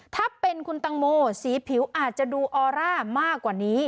ถ้าเป็นคุณตังโมสีผิวอาจจะดูออร่ามากกว่านี้